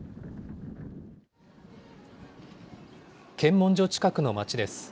検問所近くの町です。